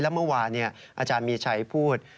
แล้วเมื่อวานี่อาจารย์มีชัยพูด